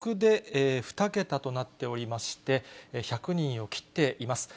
現在ですね、３日連続で２桁となっておりまして、１００人を切っています。